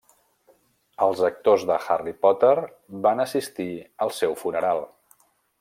Els actors de Harry Potter van assistir al seu funeral.